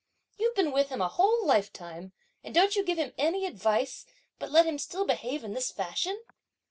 You've been with him a whole lifetime, and don't you give him any advice; but let him still behave in this fashion!"